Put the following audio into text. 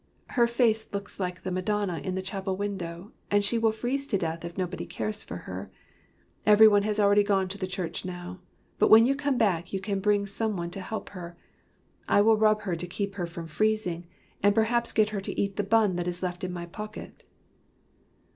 Her face looks like the Madonna in the chapel window, and she will freeze to death if nobody cares for her. Every one has gone to the church now, but when you come back you can bring some one to help her. I will rub her to keep her from freezing, and perhaps get her to eat the bun that is left in my pocket."